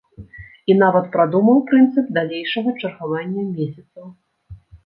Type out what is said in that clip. І нават прадумаў прынцып далейшага чаргавання месяцаў.